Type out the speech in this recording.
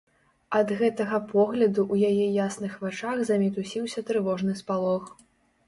Ад гэтага погляду ў яе ясных вачах замітусіўся трывожны спалох.